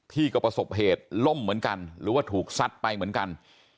ที่ก็ประสบเหตุล่มเหมือนกันหรือว่าถูกซัดไปเหมือนกัน